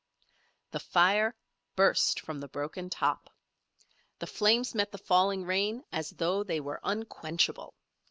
The fire burst from the broken top. The flames met the falling rain as though they were unquenchable.